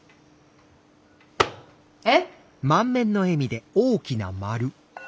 えっ？